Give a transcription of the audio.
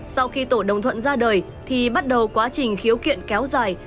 sau khi tổ đồng thuận ra đời thì bắt đầu quá trình khiếu kiện kéo dài